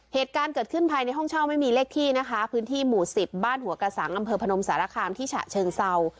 เหตุการณ์เกิดขึ้นภายในห้องเช่าไม่มีเลขที่นะคะพื้นที่หมู่สิบบ้านหัวกระสังอำเภอพนมสารคามที่ฉะเชิงเศร้า